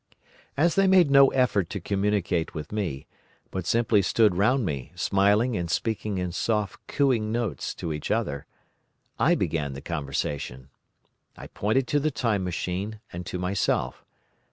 "As they made no effort to communicate with me, but simply stood round me smiling and speaking in soft cooing notes to each other, I began the conversation. I pointed to the Time Machine and to myself.